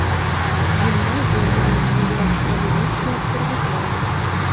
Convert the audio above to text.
Гімназія мела сваю астранамічную абсерваторыю.